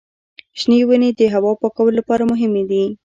شنې ونې د هوا پاکولو لپاره مهمې دي.